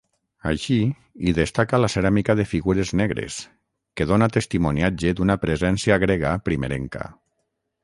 Així, hi destaca la ceràmica de figures negres, que dóna testimoniatge d'una presència grega primerenca.